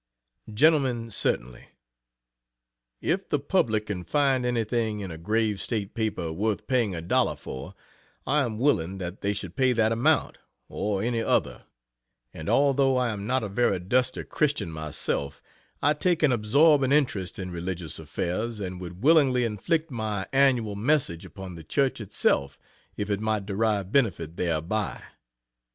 GENTLEMEN, Certainly. If the public can find anything in a grave state paper worth paying a dollar for, I am willing that they should pay that amount, or any other; and although I am not a very dusty Christian myself, I take an absorbing interest in religious affairs, and would willingly inflict my annual message upon the Church itself if it might derive benefit thereby.